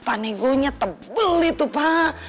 panegonya tebel itu pak